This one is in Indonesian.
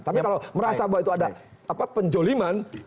tapi kalau merasa bahwa itu ada penjoliman